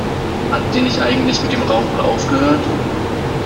Hat die nicht eigentlich mit dem Rauchen aufgehört?